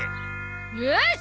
よし！